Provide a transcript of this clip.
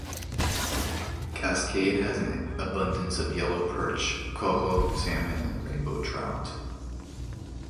Cascade has an abundance of yellow perch, coho salmon, and rainbow trout.